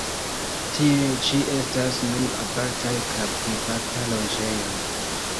Tiuj ĉi estas nun apartaj kaj privata loĝejo.